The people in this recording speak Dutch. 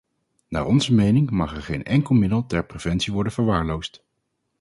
Naar onze mening mag er geen enkel middel ter preventie worden verwaarloosd.